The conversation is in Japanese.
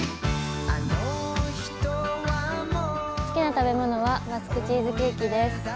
好きな食べ物はバスクチーズケーキです。